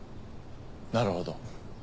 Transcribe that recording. なるほど。